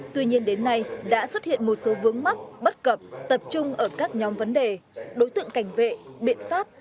tuy nhiên đến nay đã xuất hiện một số vướng mắc bất cập tập trung ở các nhóm vấn đề đối tượng cảnh vệ biện pháp